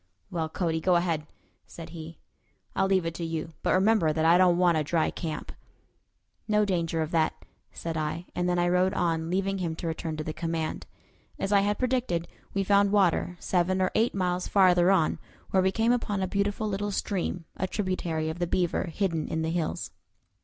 "Well, Cody, go ahead," said he; "I'll leave it to you; but remember that I don't want a dry camp." "No danger of that," said I; and then I rode on, leaving him to return to the command. As I had predicted, we found water seven or eight miles farther on, where we came upon a beautiful little stream, a tributary of the Beaver, hidden in the hills.